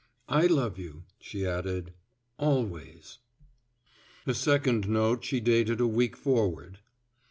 I love you, she added, always. A second note she dated a week forward.